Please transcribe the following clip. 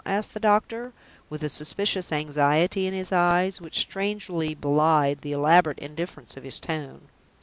asked the doctor, with a suspicious anxiety in his eyes, which strangely belied the elaborate indifference of his tone.